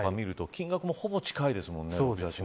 金額もほぼ近いですもんね。